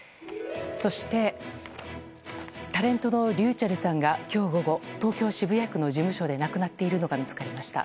そして、タレントのｒｙｕｃｈｅｌｌさんが今日午後東京・渋谷区の事務所で亡くなっているのが見つかりました。